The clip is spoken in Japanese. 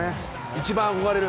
一番憧れる。